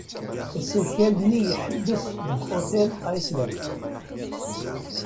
Asakal-nni iḥebbes deg Hotel Iceland.